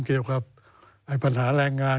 เกี่ยวกับปัญหาแรงงาน